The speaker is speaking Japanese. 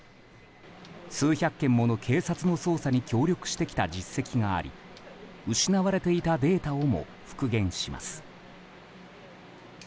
数百件もの警察の捜査に協力してきた実績があり失われていたデータをも復元します。